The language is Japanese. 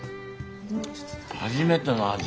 初めての味。